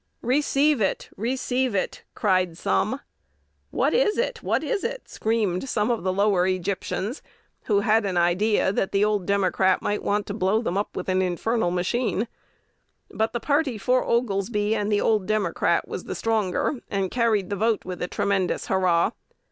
"Receive it!" "Receive it!" cried some. "What is it?" "What is it?" screamed some of the lower Egyptians, who had an idea the old Democrat might want to blow them up with an infernal machine. But the party for Oglesby and the old Democrat was the stronger, and carried the vote with a tremendous hurrah.